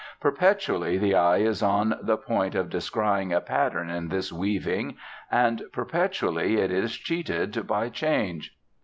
Perpetually the eye is on the point of descrying a pattern in this weaving, and perpetually it is cheated by change.